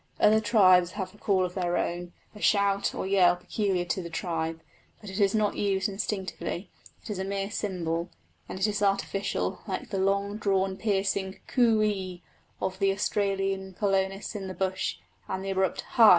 Other tribes have a call of their own, a shout or yell peculiar to the tribe; but it is not used instinctively it is a mere symbol, and is artificial, like the long drawn piercing coo ee of the Australian colonists in the bush, and the abrupt Hi!